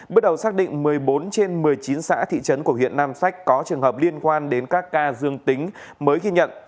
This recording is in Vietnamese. bước đầu xác định một mươi bốn trên một mươi chín xã thị trấn của huyện nam sách có trường hợp liên quan đến các ca dương tính mới ghi nhận